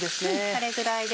これぐらいで。